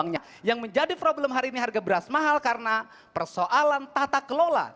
yang menjadi problem hari ini harga beras mahal karena persoalan tata kelola